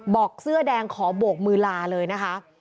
บอกเสื้อแดงขอโบกมือลาเลยนะคะ